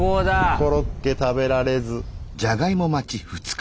コロッケ食べられず。